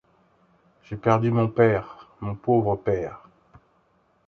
J’ai perdu mon père, mon pauvre père!